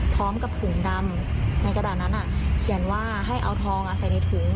พร้อมกับถุงดำในกระดาษนั้นเขียนว่าให้เอาทองใส่ในถุง